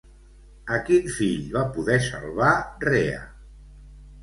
A quin fill va poder salvar Rea?